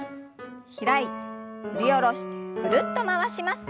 開いて振り下ろしてぐるっと回します。